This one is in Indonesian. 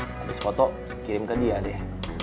habis foto kirim ke dia deh